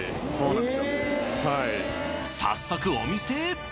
早速お店へ！